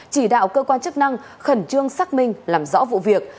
chỉ đạo cơ quan chức năng khẩn trương xác minh làm rõ vụ việc